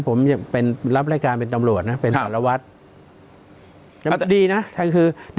ผมเริ่มรับรายการเต็มตำโหลดนะเป็นสารวัติดีนะที่คือ